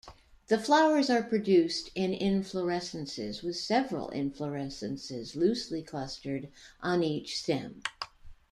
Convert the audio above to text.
The flowers are produced in inflorescences, with several inflorescences loosely clustered on each stem.